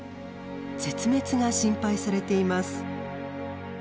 絶滅が心配されています。